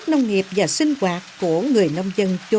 thì tôi tập trung vô